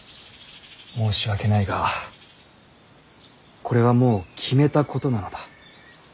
申し訳ないがこれはもう決めたことなのだ。